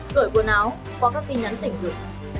cởi quần áo qua các tin nhắn tình dục